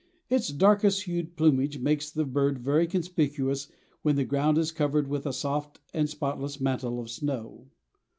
Its darkest hued plumage makes the bird very conspicuous when the ground is covered with a soft and spotless mantle of snow.